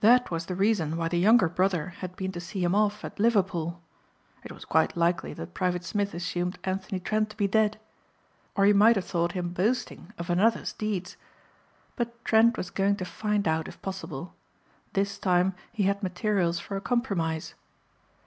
That was the reason why the younger brother had been to see him off at Liverpool. It was quite likely that Private Smith assumed Anthony Trent to be dead. Or he might have thought him boasting of another's deeds. But Trent was going to find out if possible. This time he had materials for a compromise.